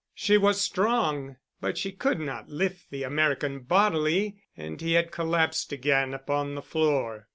She was strong, but she could not lift the American bodily and he had collapsed again upon the floor.